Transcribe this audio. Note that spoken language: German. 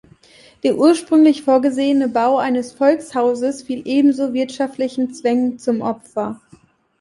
Der ursprünglich vorgesehene Bau eines Volkshauses fiel ebenso wirtschaftlichen Zwängen zum Opfer.